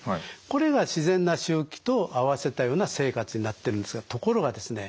これが自然な周期と合わせたような生活になってるんですがところがですね